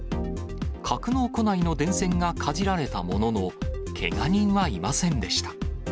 格納庫内の電線がかじられたものの、けが人はいませんでした。